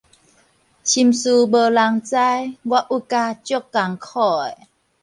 心事無人知，我鬱甲足艱苦的